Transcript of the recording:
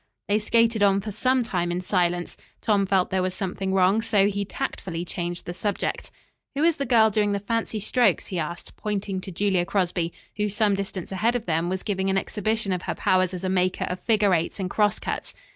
They skated on for some time in silence. Tom felt there was something wrong, so he tactfully changed the subject. "Who is the girl doing the fancy strokes?" he asked, pointing to Julia Crosby, who, some distance ahead of them, was giving an exhibition of her powers as a maker of figure eights and cross cuts.